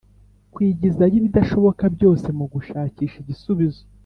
kwigizayo ibidashoboka byose mu gushakisha igisubizo